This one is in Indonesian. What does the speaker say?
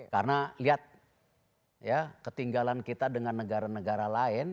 karena lihat ya ketinggalan kita dengan negara negara lain